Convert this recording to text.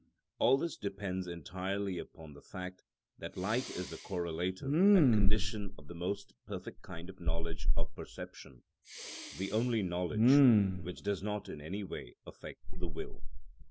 All this depends entirely upon the fact that light is the correlative and condition of the most perfect kind of knowledge of perception, the only knowledge which does not in any way affect the will.